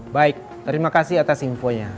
baik terima kasih atas infonya